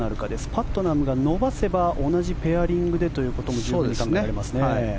パットナムが伸ばせば同じペアリングでということも十分に考えられますね。